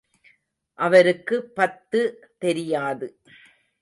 அவருக்கு பத்து தெரியாது.